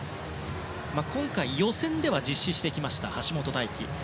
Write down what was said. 今回予選では実施してきた橋本大輝。